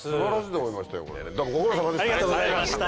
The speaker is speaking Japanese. どうもご苦労さまでした。